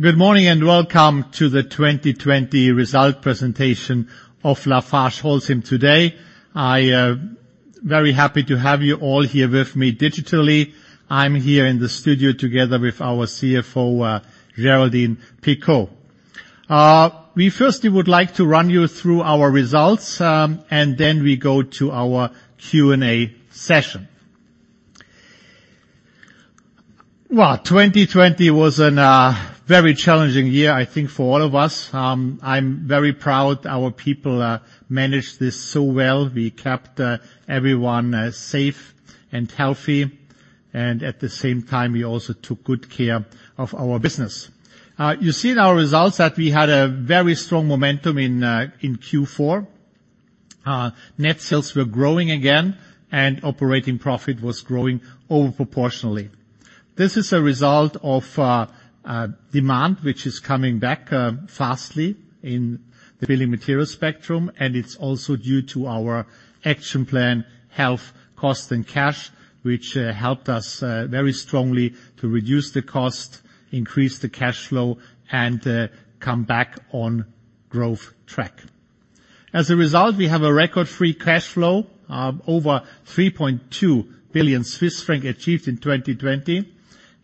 Good morning. Welcome to the 2020 result presentation of LafargeHolcim today. I am very happy to have you all here with me digitally. I'm here in the studio together with our CFO, Géraldine Picaud. We firstly would like to run you through our results. Then we go to our Q&A session. 2020 was a very challenging year, I think, for all of us. I'm very proud our people managed this so well. We kept everyone safe and healthy. At the same time, we also took good care of our business. You see in our results that we had a very strong momentum in Q4. Net sales were growing again. Operating profit was growing over proportionally. This is a result of demand, which is coming back fastly in the building material spectrum, and it's also due to our action plan, Health, Cost & Cash, which helped us very strongly to reduce the cost, increase the cash flow, and come back on growth track. As a result, we have a record free cash flow of over 3.2 billion Swiss franc achieved in 2020.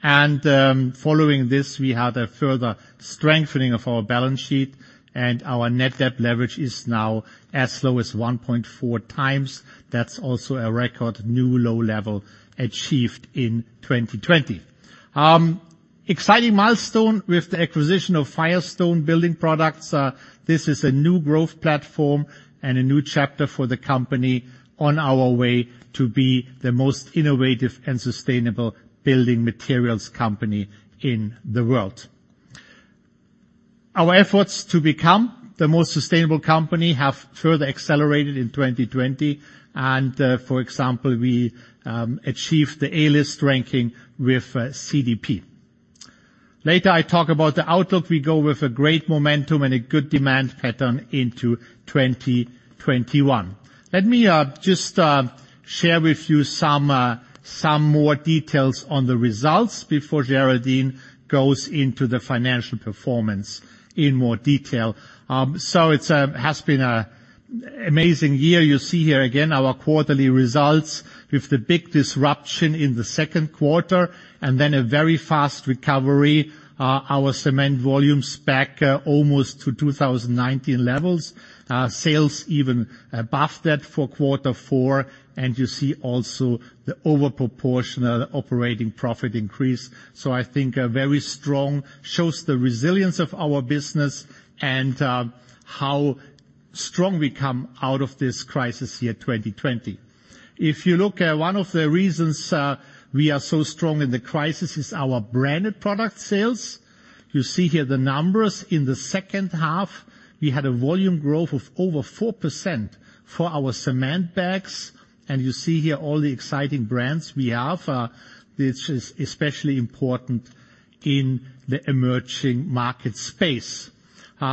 Following this, we had a further strengthening of our balance sheet, and our net debt leverage is now as low as 1.4X. That's also a record new low level achieved in 2020. Exciting milestone with the acquisition of Firestone Building Products. This is a new growth platform and a new chapter for the company on our way to be the most innovative and sustainable building materials company in the world. Our efforts to become the most sustainable company have further accelerated in 2020. For example, we achieved the A-list ranking with CDP. Later, I talk about the outlook. We go with a great momentum and a good demand pattern into 2021. Let me just share with you some more details on the results before Géraldine goes into the financial performance in more detail. It has been an amazing year. You see here again our quarterly results with the big disruption in the second quarter, then a very fast recovery, our cement volumes back almost to 2019 levels. Sales even above that for quarter four. You see also the over proportional operating profit increase. I think a very strong showing the resilience of our business and how strong we come out of this crisis year 2020. If you look at one of the reasons we are so strong in the crisis is our branded product sales. You see here the numbers in the second half, we had a volume growth of over 4% for our cement bags, and you see here all the exciting brands we have. This is especially important in the emerging market space.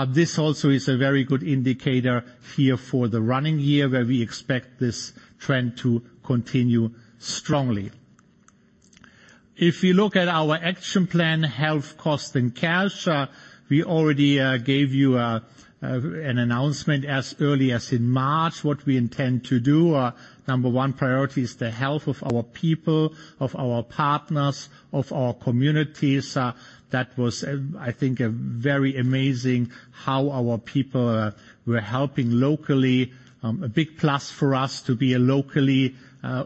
This also is a very good indicator here for the running year, where we expect this trend to continue strongly. If you look at our action plan, Health, Cost & Cash, we already gave you an announcement as early as in March what we intend to do. Number one priority is the health of our people, of our partners, of our communities. That was, I think, a very amazing how our people were helping locally. A big plus for us to be a locally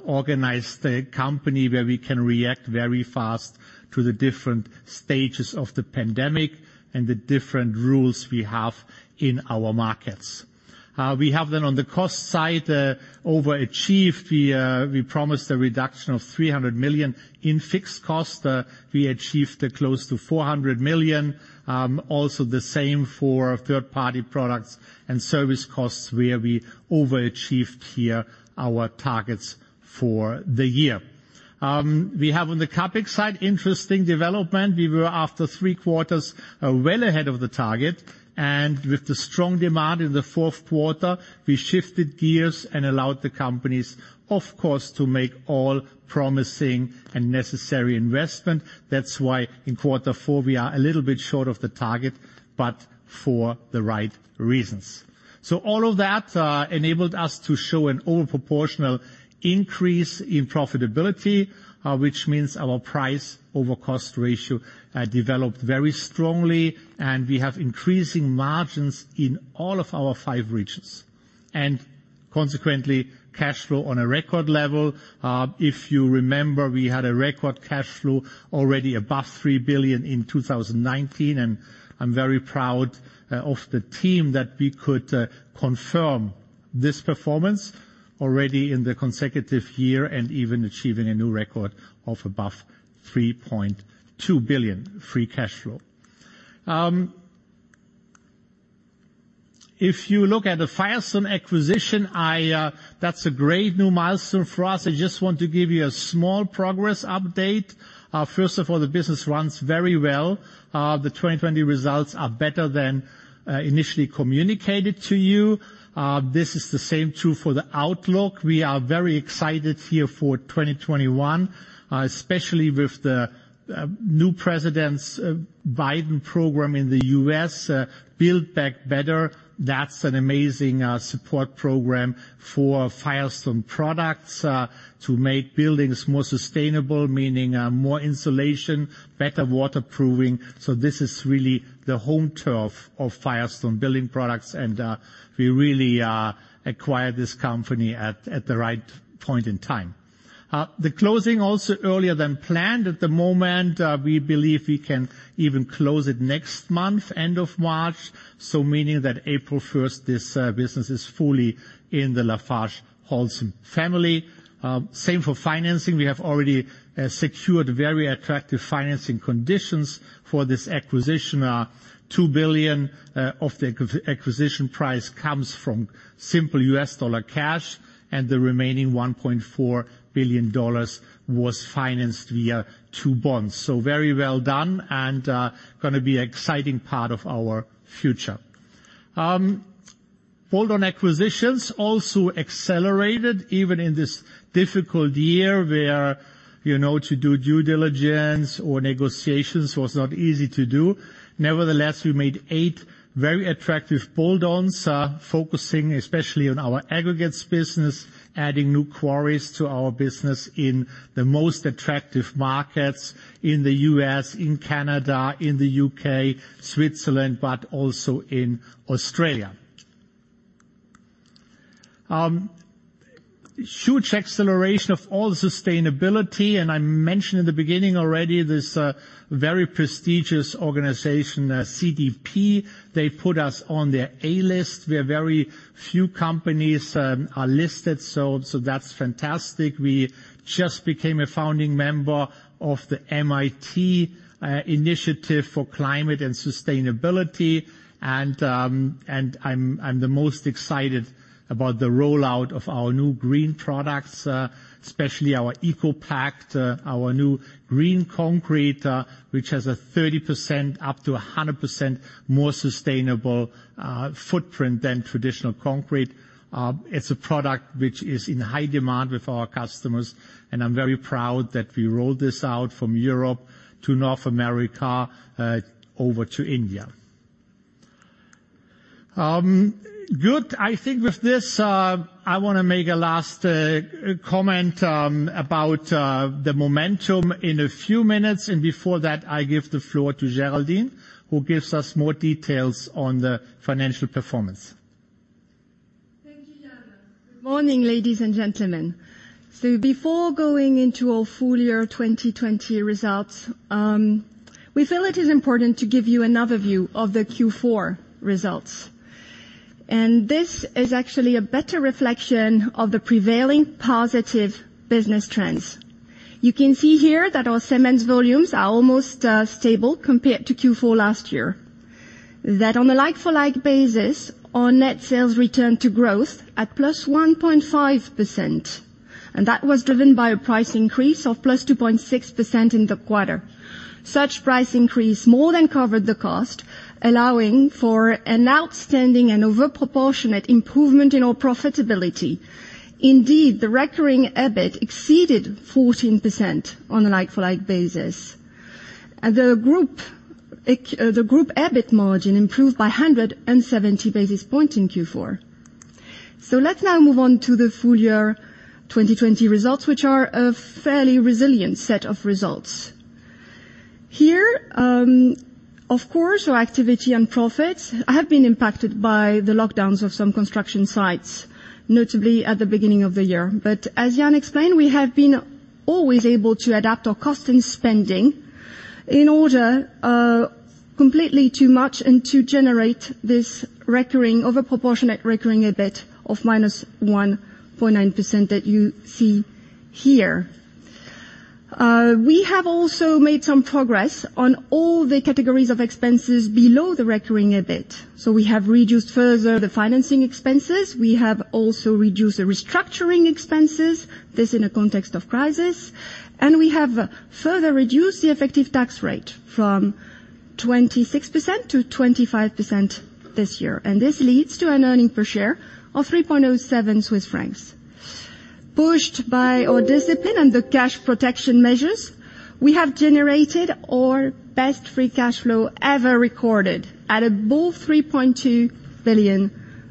organized company where we can react very fast to the different stages of the pandemic and the different rules we have in our markets. We have on the cost side, overachieved. We promised a reduction of 300 million in fixed cost. We achieved close to 400 million. The same for third-party products and service costs, where we overachieved here our targets for the year. We have on the CapEx side, interesting development. We were after three quarters well ahead of the target, with the strong demand in the fourth quarter, we shifted gears and allowed the companies, of course, to make all promising and necessary investment. That's why in quarter four, we are a little bit short of the target, for the right reasons. All of that enabled us to show an over proportional increase in profitability, which means our price over cost ratio developed very strongly, and we have increasing margins in all of our five regions. Consequently, cash flow on a record level. If you remember, we had a record cash flow already above 3 billion in 2019, and I'm very proud of the team that we could confirm this performance already in the consecutive year and even achieving a new record of above 3.2 billion free cash flow. If you look at the Firestone acquisition, that's a great new milestone for us. I just want to give you a small progress update. First of all, the business runs very well. The 2020 results are better than initially communicated to you. This is the same tune for the outlook. We are very excited here for 2021, especially with the new President Biden's program in the U.S., Build Back Better. That's an amazing support program for Firestone products to make buildings more sustainable, meaning more insulation, better waterproofing. This is really the home turf of Firestone Building Products, and we really acquired this company at the right point in time. The closing also earlier than planned. At the moment, we believe we can even close it next month, end of March. Meaning that April 1st, this business is fully in the LafargeHolcim family. Same for financing. We have already secured very attractive financing conditions for this acquisition. $2 billion of the acquisition price comes from simple U.S. dollar cash, and the remaining $1.4 billion was financed via two bonds. Very well done and going to be an exciting part of our future. Bolt-on acquisitions also accelerated even in this difficult year, where to do due diligence or negotiations was not easy to do. Nevertheless, we made eight very attractive bolt-ons, focusing especially on our aggregates business, adding new quarries to our business in the most attractive markets in the U.S., in Canada, in the U.K., Switzerland, but also in Australia. Huge acceleration of all sustainability, and I mentioned in the beginning already this very prestigious organization, CDP, they put us on their A list, where very few companies are listed, so that's fantastic. We just became a founding member of the MIT Climate and Sustainability Consortium. I'm the most excited about the rollout of our new green products, especially our ECOPact, our new green concrete, which has a 30% up to 100% more sustainable footprint than traditional concrete. It's a product which is in high demand with our customers, and I'm very proud that we rolled this out from Europe to North America over to India. Good. I think with this, I want to make a last comment about the momentum in a few minutes, and before that, I give the floor to Géraldine, who gives us more details on the financial performance. Thank you, Jan. Good morning, ladies and gentlemen. Before going into our full year 2020 results, we feel it is important to give you another view of the Q4 results. This is actually a better reflection of the prevailing positive business trends. You can see here that our cements volumes are almost stable compared to Q4 last year. On a like-for-like basis, our net sales returned to growth at +1.5%, that was driven by a price increase of +2.6% in the quarter. Such price increase more than covered the cost, allowing for an outstanding and overproportionate improvement in our profitability. Indeed, the recurring EBIT exceeded 14% on a like-for-like basis. The group EBIT margin improved by 170 basis point in Q4. Let's now move on to the full year 2020 results, which are a fairly resilient set of results. Here, of course, our activity and profits have been impacted by the lockdowns of some construction sites, notably at the beginning of the year. As Jan explained, we have been always able to adapt our cost and spending in order completely to match and to generate this overproportionate Recurring EBIT of minus 1.9% that you see here. We have also made some progress on all the categories of expenses below the Recurring EBIT. We have reduced further the financing expenses. We have also reduced the restructuring expenses, this in a context of crisis, and we have further reduced the effective tax rate from 26% - 25% this year. This leads to an earning per share of 3.07 Swiss francs. Pushed by our discipline and the cash protection measures, we have generated our best free cash flow ever recorded at above 3.2 billion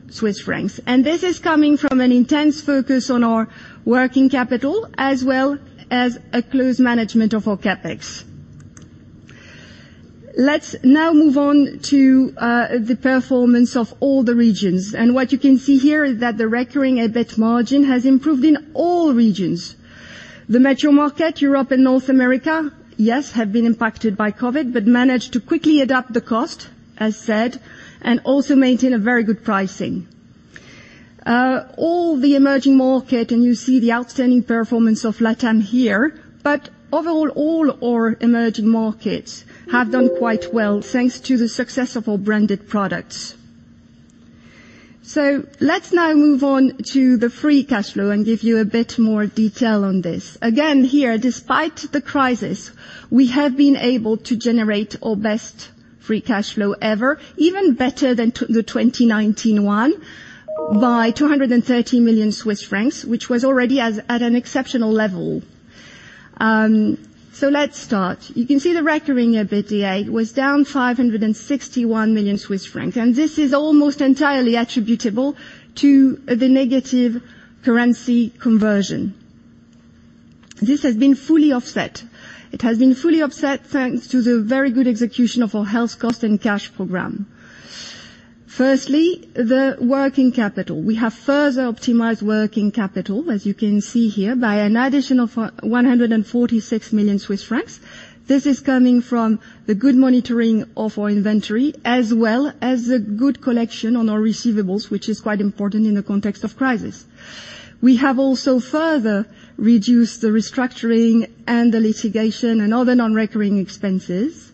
Swiss francs. This is coming from an intense focus on our working capital, as well as a close management of our CapEx. Let's now move on to the performance of all the regions. What you can see here is that the Recurring EBIT margin has improved in all regions. The mature market, Europe and North America, yes, have been impacted by COVID, but managed to quickly adapt the cost, as said, and also maintain a very good pricing. All the emerging market, and you see the outstanding performance of LATAM here. Overall, all our emerging markets have done quite well thanks to the success of our branded products. Let's now move on to the free cash flow and give you a bit more detail on this. Again here, despite the crisis, we have been able to generate our best free cash flow ever, even better than the 2019 one, by 230 million Swiss francs, which was already at an exceptional level. Let's start. You can see the Recurring EBITDA was down 561 million Swiss francs, and this is almost entirely attributable to the negative currency conversion. This has been fully offset. It has been fully offset thanks to the very good execution of our Health, Cost & Cash program. Firstly, the working capital. We have further optimized working capital, as you can see here, by an additional 146 million Swiss francs. This is coming from the good monitoring of our inventory as well as the good collection on our receivables, which is quite important in the context of crisis. We have also further reduced the restructuring and the litigation and other non-recurring expenses.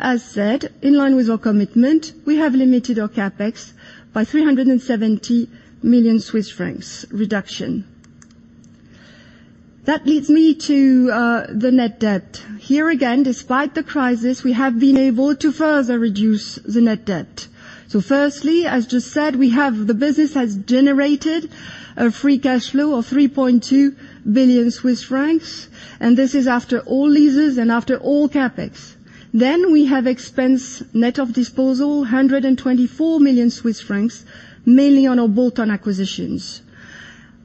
As said, in line with our commitment, we have limited our CapEx by 370 million Swiss francs reduction. That leads me to the net debt. Here again, despite the crisis, we have been able to further reduce the net debt. Firstly, as just said, the business has generated a free cash flow of 3.2 billion Swiss francs, and this is after all leases and after all CapEx. We have expense net of disposal, 124 million Swiss francs, mainly on our bolt-on acquisitions.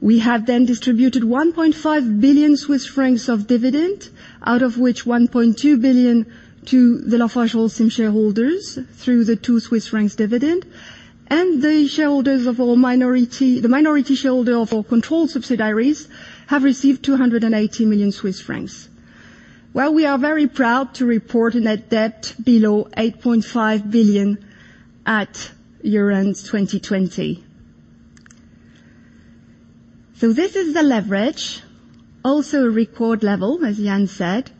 We have distributed 1.5 billion Swiss francs of dividend, out of which 1.2 billion to the LafargeHolcim shareholders through the 2 Swiss francs dividend. The minority shareholder of our control subsidiaries have received 280 million Swiss francs. Well, we are very proud to report a net debt below 8.5 billion at year-end 2020. This is the leverage, also a record level, as Jan said.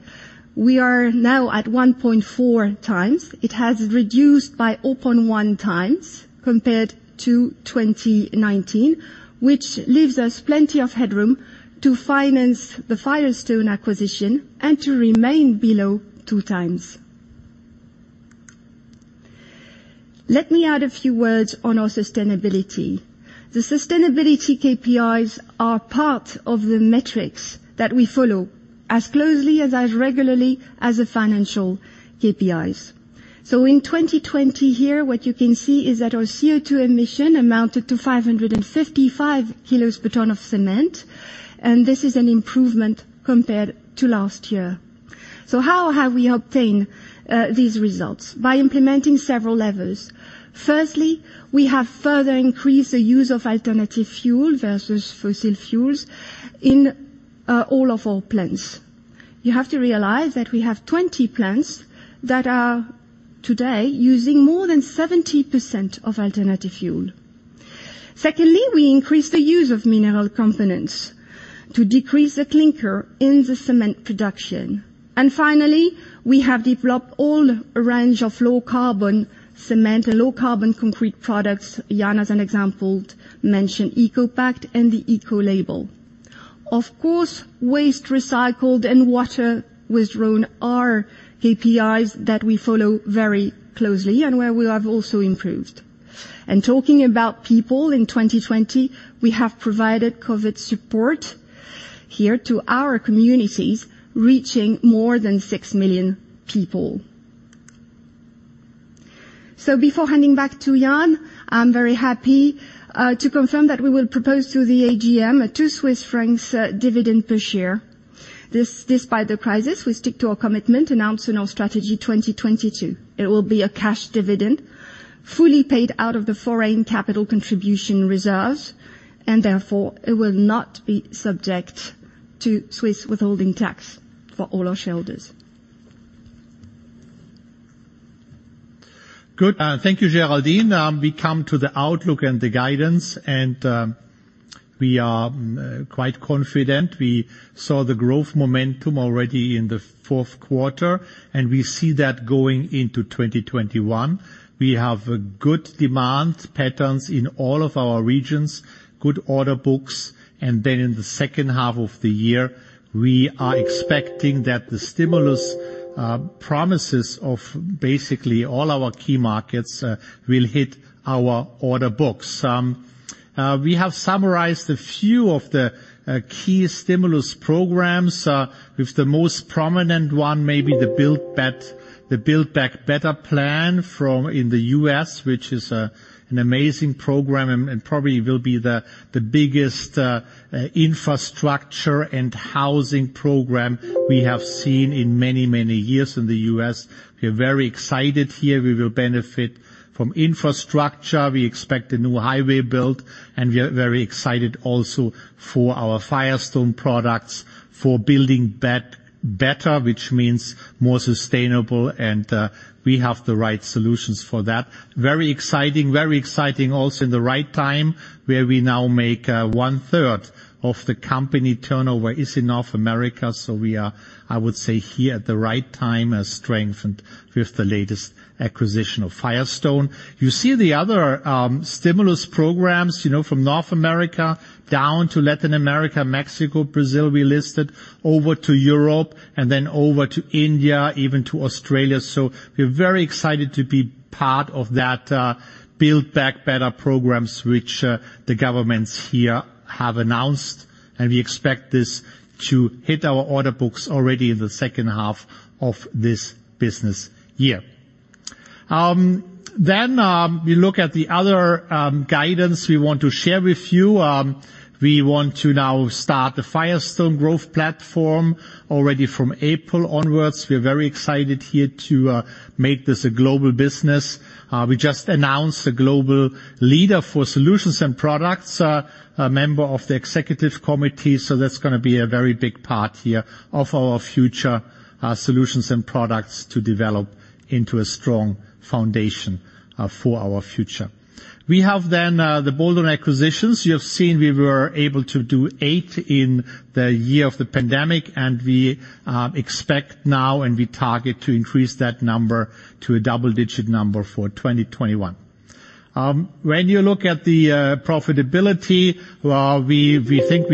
We are now at 1.4X. It has reduced by 0.1X compared to 2019, which leaves us plenty of headroom to finance the Firestone acquisition and to remain below two times. Let me add a few words on our sustainability. The sustainability KPIs are part of the metrics that we follow as closely and as regularly as the financial KPIs. In 2020 here, what you can see is that our CO2 emission amounted to 555 kilos per ton of cement, and this is an improvement compared to last year. How have we obtained these results? By implementing several levers. Firstly, we have further increased the use of alternative fuel versus fossil fuels in all of our plants. You have to realize that we have 20 plants that are today using more than 70% of alternative fuel. Secondly, we increased the use of mineral components to decrease the clinker in the cement production. Finally, we have developed all range of low carbon cement and low carbon concrete products. Jan, as an example, mentioned ECOPact and the EcoLabel. Of course, waste recycled and water withdrawn are KPIs that we follow very closely and where we have also improved. Talking about people in 2020, we have provided COVID support here to our communities, reaching more than six million people. Before handing back to Jan, I'm very happy to confirm that we will propose to the AGM a 2 Swiss francs dividend per share. Despite the crisis, we stick to our commitment announced in our Strategy 2022. It will be a cash dividend, fully paid out of the foreign capital contribution reserves. Therefore, it will not be subject to Swiss withholding tax for all our shareholders. Good. Thank you, Géraldine. We come to the outlook and the guidance, we are quite confident. We saw the growth momentum already in the fourth quarter, we see that going into 2021. We have good demand patterns in all of our regions, good order books, then in the second half of the year, we are expecting that the stimulus promises of basically all our key markets will hit our order books. We have summarized a few of the key stimulus programs, with the most prominent one may be the Build Back Better plan in the U.S., which is an amazing program and probably will be the biggest infrastructure and housing program we have seen in many, many years in the U.S. We are very excited here. We will benefit from infrastructure. We expect a new highway built, and we are very excited also for our Firestone products for Build Back Better, which means more sustainable, and we have the right solutions for that. Very exciting, also in the right time, where we now make one-third of the company turnover is in North America. We are, I would say, here at the right time as strengthened with the latest acquisition of Firestone. You see the other stimulus programs from North America down to Latin America, Mexico, Brazil, we listed, over to Europe, and then over to India, even to Australia. We're very excited to be part of that Build Back Better programs, which the governments here have announced, and we expect this to hit our order books already in the second half of this business year. We look at the other guidance we want to share with you. We want to now start the Firestone growth platform already from April onwards. We're very excited here to make this a global business. We just announced the global leader for solutions and products, a member of the executive committee. That's going to be a very big part here of our future solutions and products to develop into a strong foundation for our future. We have the bolt-on acquisitions. You have seen we were able to do eight in the year of the pandemic, and we expect now, and we target to increase that number to a double-digit number for 2021. When you look at the profitability, we think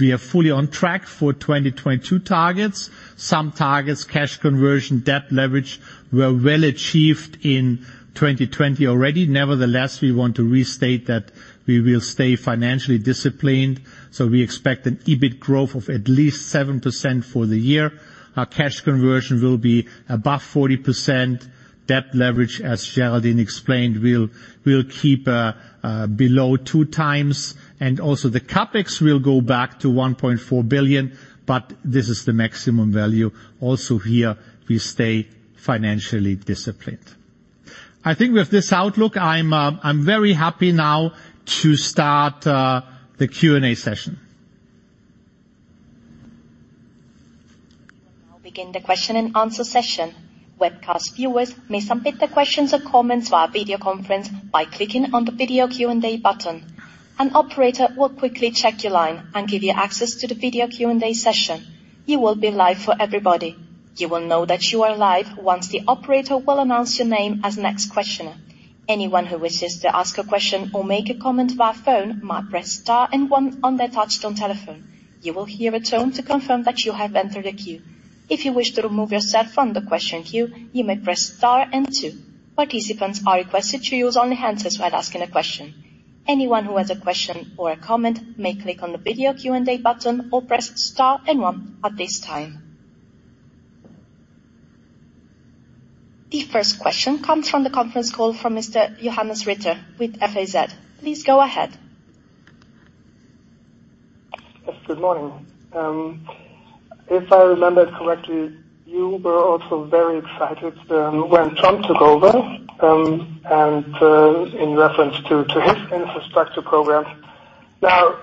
we are fully on track for 2022 targets. Some targets, cash conversion, debt leverage, were well-achieved in 2020 already. Nevertheless, we want to restate that we will stay financially disciplined. We expect an EBIT growth of at least 7% for the year. Our cash conversion will be above 40%. Debt leverage, as Géraldine explained, we'll keep below two times. Also the CapEx will go back to 1.4 billion, this is the maximum value. Also here, we stay financially disciplined. I think with this outlook, I'm very happy now to start the Q&A session. We will now begin the question and answer session. Webcast viewers may submit their questions or comments via video conference by clicking on the video Q&A button. An operator will quickly check your line and give you access to the video Q&A session. You will be live for everybody. You will know that you are live once the operator will announce your name as next questioner. The first question comes from the conference call from Mr. Johannes Ritter with FAZ. Please go ahead. Yes, good morning. If I remember correctly, you were also very excited when Trump took over, and in reference to his infrastructure programs. Now,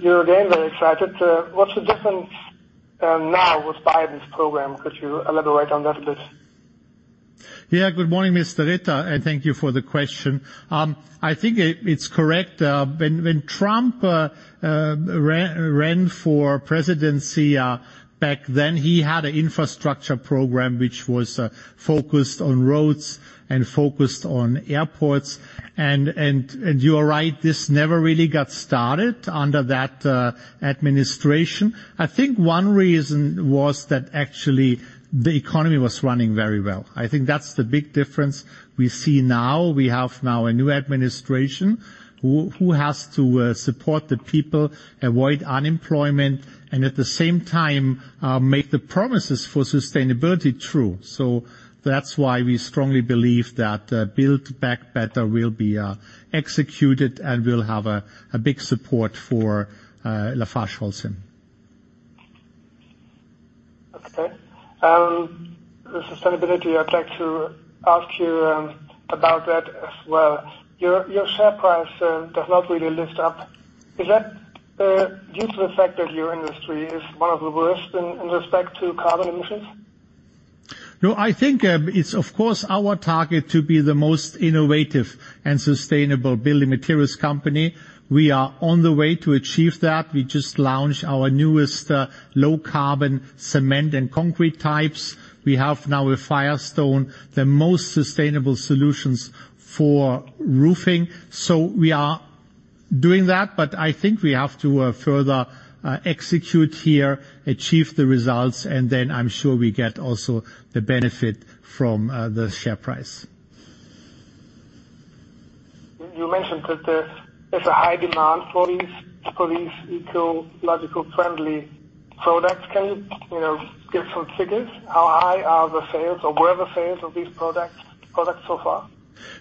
you're again very excited. What's the difference now with Biden's program? Could you elaborate on that, please? Yeah. Good morning, Mr. Ritter, thank you for the question. I think it's correct. When Trump ran for presidency back then, he had an infrastructure program which was focused on roads and focused on airports. You are right, this never really got started under that administration. I think one reason was that actually the economy was running very well. I think that's the big difference we see now. We have now a new administration who has to support the people, avoid unemployment, and at the same time, make the promises for sustainability true. That's why we strongly believe that Build Back Better will be executed and will have a big support for LafargeHolcim. Okay. The sustainability, I'd like to ask you about that as well. Your share price does not really lift up. Is that due to the fact that your industry is one of the worst in respect to carbon emissions? No. I think it's, of course, our target to be the most innovative and sustainable building materials company. We are on the way to achieve that. We just launched our newest low carbon cement and concrete types. We have now with Firestone the most sustainable solutions for roofing. We are doing that, but I think we have to further execute here, achieve the results, and then I'm sure we get also the benefit from the share price. You mentioned that there's a high demand for these ecological friendly products. Can you give some figures? How high are the sales or were the sales of these products so far?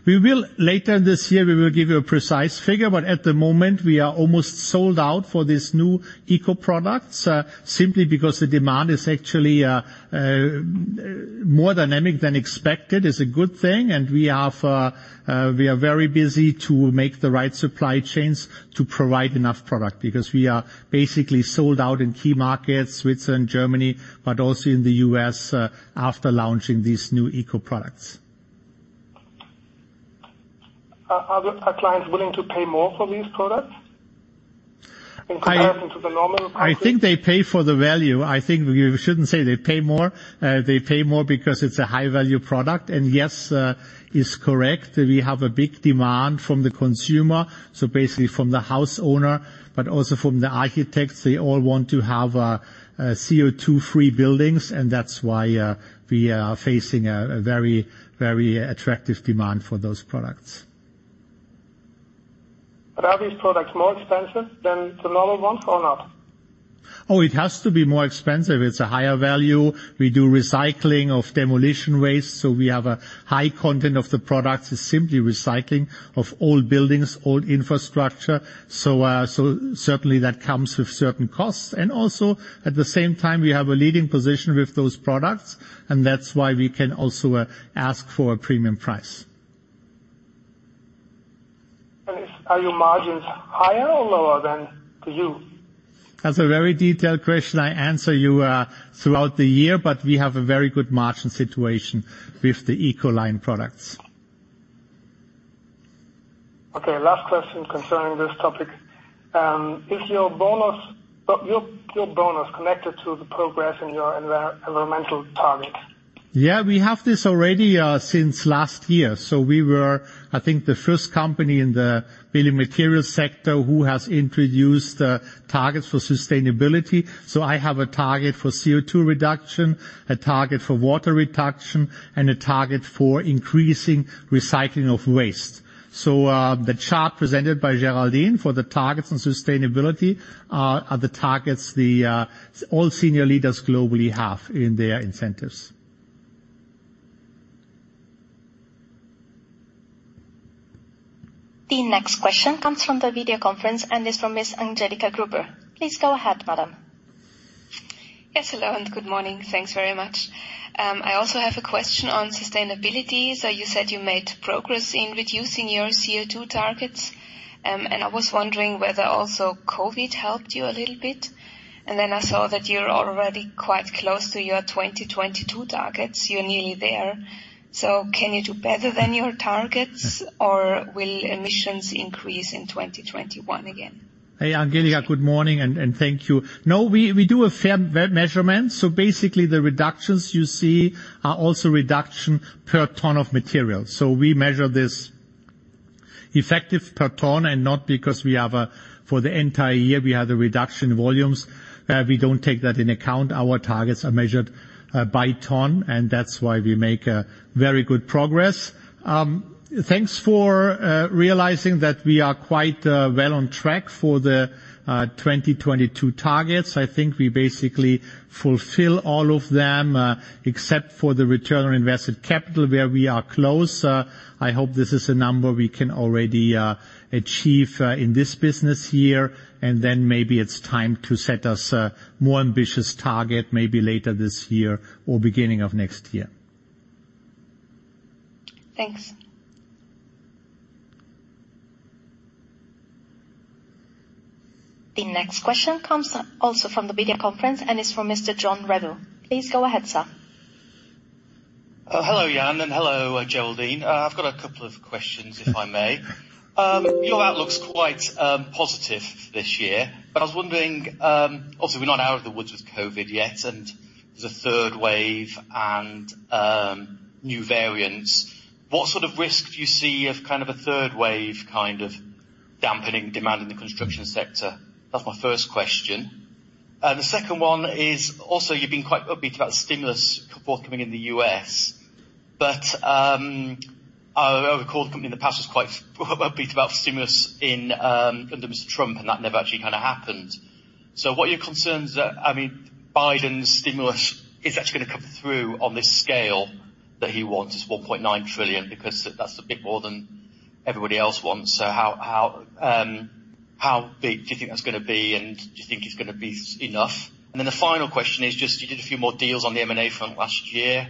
Later this year, we will give you a precise figure, but at the moment, we are almost sold out for these new eco products, simply because the demand is actually more dynamic than expected. It's a good thing, and we are very busy to make the right supply chains to provide enough product because we are basically sold out in key markets, Switzerland, Germany, but also in the U.S. after launching these new eco products. Are clients willing to pay more for these products in comparison to the normal products? I think they pay for the value. I think we shouldn't say they pay more. They pay more because it's a high-value product. Yes, it's correct. We have a big demand from the consumer, so basically from the house owner, but also from the architects. They all want to have CO2-free buildings. That's why we are facing a very attractive demand for those products. Are these products more expensive than the normal ones or not? Oh, it has to be more expensive. It's a higher value. We do recycling of demolition waste, so we have a high content of the product is simply recycling of old buildings, old infrastructure. Certainly that comes with certain costs. Also at the same time, we have a leading position with those products, and that's why we can also ask for a premium price. Are your margins higher or lower than to you? That's a very detailed question. I answer you throughout the year, but we have a very good margin situation with the Eco Line products. Okay. Last question concerning this topic. Is your bonus connected to the progress in your environmental targets? Yeah. We have this already since last year. We were, I think, the first company in the building material sector who has introduced targets for sustainability. I have a target for CO2 reduction, a target for water reduction, and a target for increasing recycling of waste. The chart presented by Géraldine for the targets on sustainability are the targets all senior leaders globally have in their incentives. The next question comes from the video conference and is from Ms. Angelika Gruber. Please go ahead, madam. Yes. Hello and good morning. Thanks very much. I also have a question on sustainability. You said you made progress in reducing your CO2 targets. I was wondering whether also COVID helped you a little bit. I saw that you're already quite close to your 2022 targets. You're nearly there. Can you do better than your targets or will emissions increase in 2021 again? Hey, Angelika. Good morning, and thank you. We do a fair measurement. Basically the reductions you see are also reduction per ton of material. We measure this effective per ton and not because for the entire year we had a reduction in volumes. We don't take that into account. Our targets are measured by ton, and that's why we make very good progress. Thanks for realizing that we are quite well on track for the 2022 targets. I think we basically fulfill all of them except for the return on invested capital, where we are close. I hope this is a number we can already achieve in this business year, and then maybe it's time to set us a more ambitious target, maybe later this year or beginning of next year. Thanks. The next question comes also from the video conference and is from Mr. John Revell. Please go ahead, sir. Hello, Jan, and hello, Géraldine. I've got a couple of questions, if I may. Your outlook's quite positive for this year, but I was wondering, obviously we're not out of the woods with COVID yet, and there's a third wave and new variants. What sort of risk do you see of a third wave dampening demand in the construction sector? That's my first question. The second one is also you've been quite upbeat about stimulus forthcoming in the U.S. I recall the company in the past was quite upbeat about stimulus under Mr. Trump, and that never actually happened. What are your concerns that Biden's stimulus is actually going to come through on this scale that he wants, this $1.9 trillion, because that's a bit more than everybody else wants. How big do you think that's going to be, and do you think it's going to be enough? The final question is just you did a few more deals on the M&A front last year.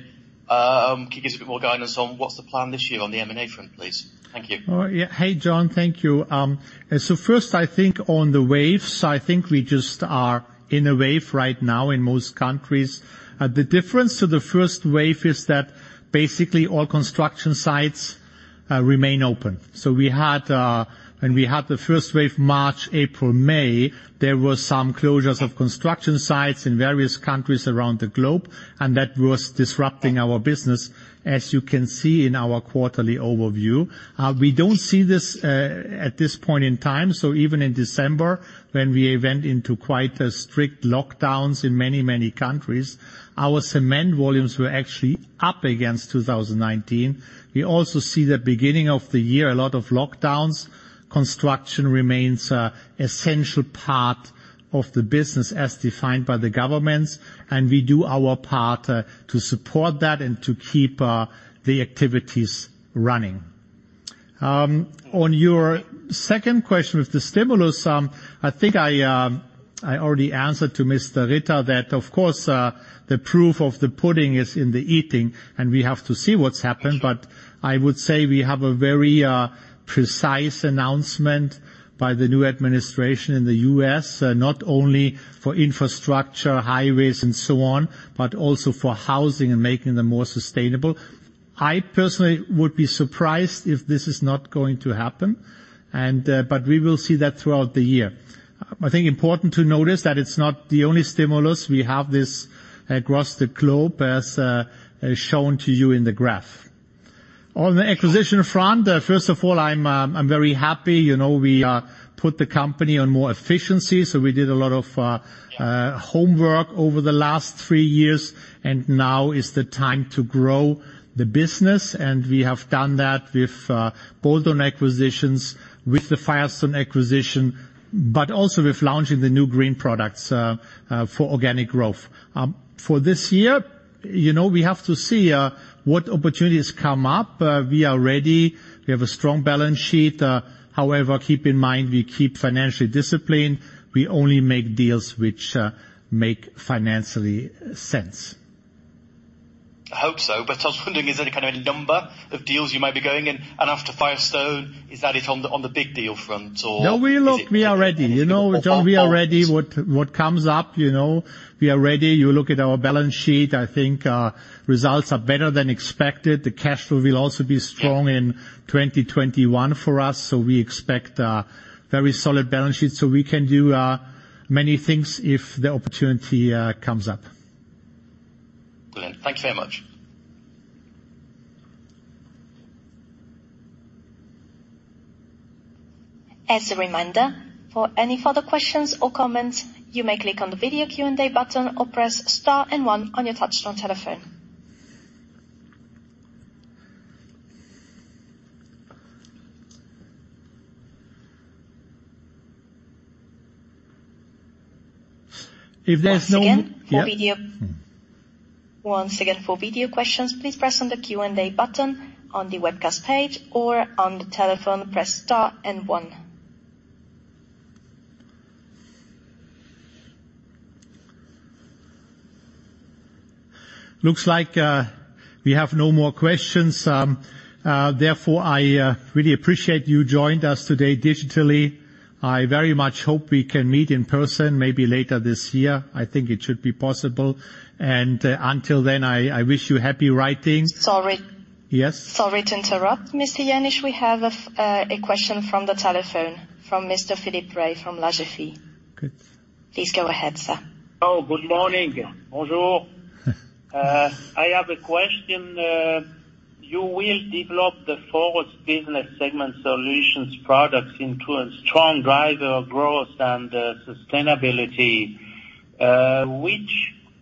Can you give us a bit more guidance on what's the plan this year on the M&A front, please? Thank you. Hey, John. Thank you. First, I think on the waves, I think we just are in a wave right now in most countries. The difference to the first wave is that basically all construction sites remain open. When we had the first wave, March, April, May, there were some closures of construction sites in various countries around the globe, and that was disrupting our business, as you can see in our quarterly overview. We don't see this at this point in time. Even in December, when we went into quite strict lockdowns in many countries, our cement volumes were actually up against 2019. We also see the beginning of the year, a lot of lockdowns. Construction remains an essential part of the business as defined by the governments, and we do our part to support that and to keep the activities running. On your second question with the stimulus, I think I already answered to Mr. Ritter that, of course, the proof of the pudding is in the eating, we have to see what's happened. I would say we have a very precise announcement by the new administration in the U.S., not only for infrastructure, highways, and so on, but also for housing and making them more sustainable. I personally would be surprised if this is not going to happen. We will see that throughout the year. I think important to notice that it's not the only stimulus. We have this across the globe, as shown to you in the graph. On the acquisition front, first of all, I'm very happy. We put the company on more efficiency. We did a lot of homework over the last three years, now is the time to grow the business. We have done that with bolt-on acquisitions, with the Firestone acquisition, but also with launching the new green products for organic growth. For this year, we have to see what opportunities come up. We are ready. We have a strong balance sheet. However, keep in mind, we keep financially disciplined. We only make deals which make financial sense. I hope so, but I was wondering, is there any kind of number of deals you might be going in? After Firestone, is that it on the big deal front? No, we are ready. We are ready. What comes up, we are ready. You look at our balance sheet, I think our results are better than expected. The cash flow will also be strong in 2021 for us. We expect a very solid balance sheet. We can do many things if the opportunity comes up. Brilliant. Thank you very much. As a reminder, for any further questions or comments, you may click on the video Q&A button or press star and one on your touchtone telephone. If there's no- Once again, for video. Yeah. Once again, for video questions, please press on the Q&A button on the webcast page or on the telephone, press star and one. Looks like we have no more questions. Therefore, I really appreciate you joined us today digitally. I very much hope we can meet in person maybe later this year. I think it should be possible. Until then, I wish you happy writings. Sorry. Yes. Sorry to interrupt, Mr. Jenisch. We have a question from the telephone, from Mr. Philippe Rey from L'Agefi. Good. Please go ahead, sir. Oh, good morning. Bonjour. I have a question. You will develop the forward business segment solutions products into a strong driver of growth and sustainability. Which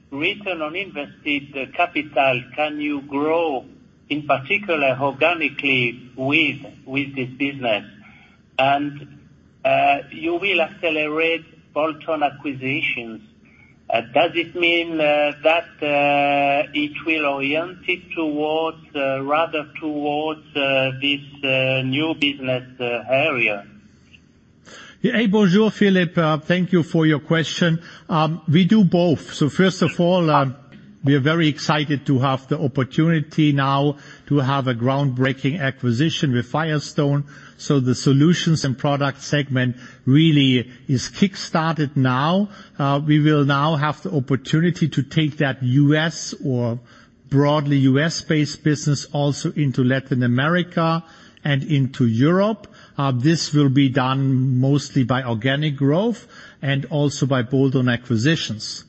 return on invested capital can you grow, in particular organically, with this business? You will accelerate bolt-on acquisitions. Does it mean that it will orient it rather towards this new business area? Yeah. Bonjour, Philippe. Thank you for your question. We do both. First of all, we are very excited to have the opportunity now to have a groundbreaking acquisition with Firestone. The solutions and product segment really is kickstarted now. We will now have the opportunity to take that U.S. or broadly U.S.-based business also into Latin America and into Europe. This will be done mostly by organic growth and also by bolt-on acquisitions.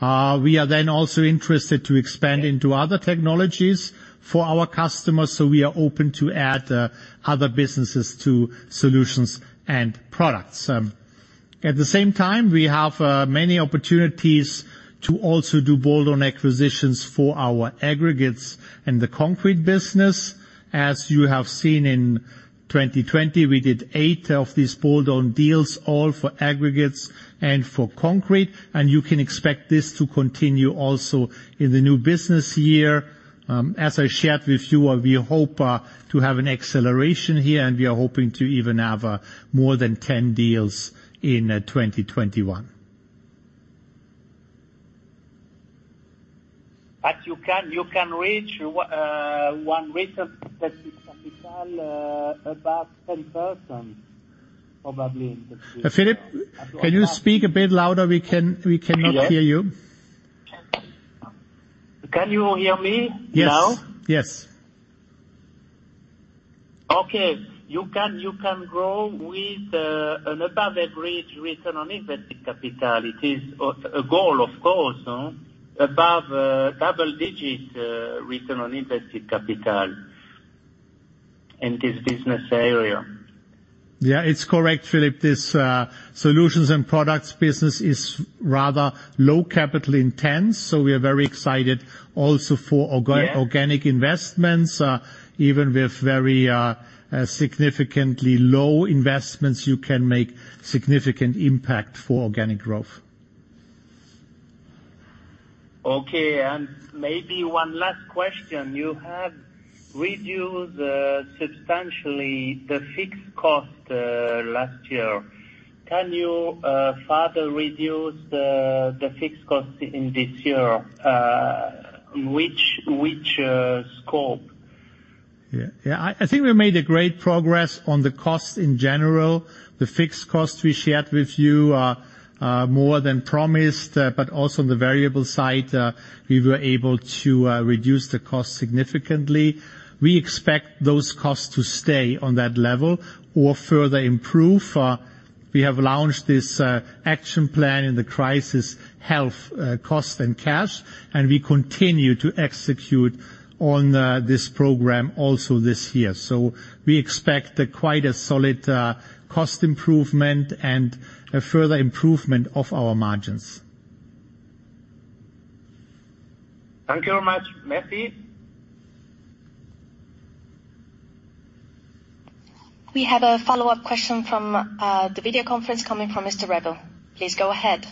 We are then also interested to expand into other technologies for our customers. We are open to add other businesses to solutions and products. At the same time, we have many opportunities to also do bolt-on acquisitions for our aggregates in the concrete business. As you have seen in 2020, we did eight of these bolt-on deals, all for aggregates and for concrete. You can expect this to continue also in the new business year. As I shared with you, we hope to have an acceleration here, and we are hoping to even have more than 10 deals in 2021. You can reach one return on invested capital above 10%, probably in the future. Philippe, can you speak a bit louder? We cannot hear you. Can you hear me now? Yes. Okay. You can grow with an above-average return on invested capital. It is a goal, of course, above double-digit return on invested capital in this business area. Yeah, it's correct, Philippe. This solutions and products business is rather low capital intense, we are very excited also for organic investments. Even with very significantly low investments, you can make significant impact for organic growth. Maybe one last question. You have reduced substantially the fixed cost last year. Can you further reduce the fixed cost in this year? Which scope? Yeah. I think we made a great progress on the cost in general. The fixed cost we shared with you are more than promised. Also on the variable side, we were able to reduce the cost significantly. We expect those costs to stay on that level or further improve. We have launched this action plan in the crisis, Health, Cost & Cash. We continue to execute on this program also this year. We expect quite a solid cost improvement and a further improvement of our margins. Thank you very much. Merci. We have a follow-up question from the video conference coming from Mr. Revell. Please go ahead.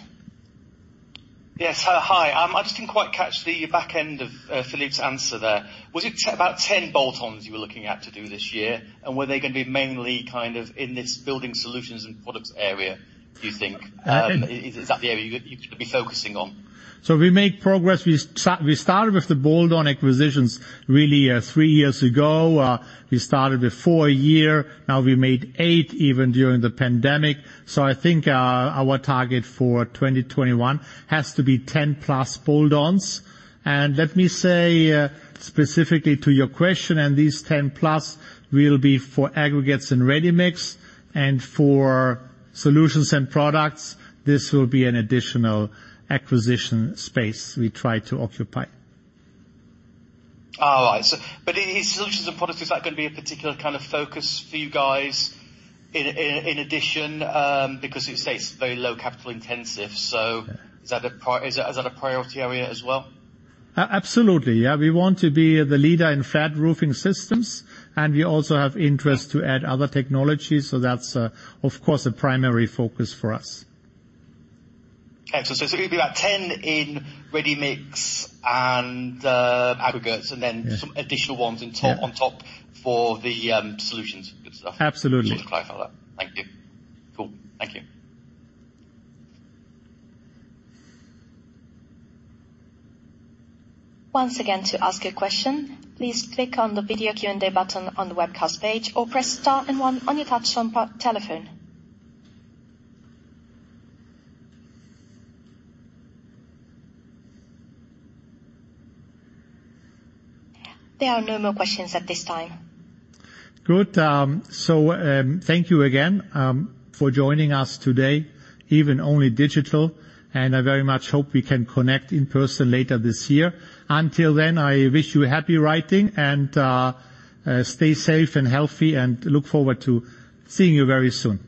Yes. Hi. I just didn't quite catch the back end of Philippe's answer there. Was it about 10 bolt-ons you were looking at to do this year? Were they going to be mainly in this building solutions and products area, do you think? Is that the area you're going to be focusing on? We make progress. We started with the bolt-on acquisitions really three years ago. We started with four a year. Now we made eight, even during the pandemic. I think our target for 2021 has to be 10 plus bolt-ons. Let me say specifically to your question, these 10 plus will be for aggregates and ready mix and for solutions and products. This will be an additional acquisition space we try to occupy. All right. In solutions and products, is that going to be a particular focus for you guys in addition? As you say, it's very low capital intensive, so is that a priority area as well? Absolutely. Yeah. We want to be the leader in flat roofing systems, and we also have interest to add other technologies. That's, of course, a primary focus for us. Okay. It's going to be about 10 in ready mix and aggregates, and then some additional ones on top for the solutions and good stuff. Absolutely. Just to clarify that. Thank you. Cool. Thank you. There are no more questions at this time. Good. Thank you again for joining us today, even only digital, and I very much hope we can connect in person later this year. Until then, I wish you happy writing and stay safe and healthy and look forward to seeing you very soon.